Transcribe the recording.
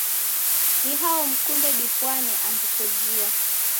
Ni hao mkunde dipwane andu kojia?